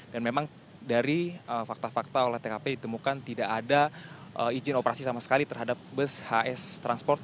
dan memang dari fakta fakta oleh tkp ditemukan tidak ada izin operasi sama sekali terhadap bus hs transport